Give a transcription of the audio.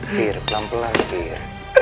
sir pelan pelan sir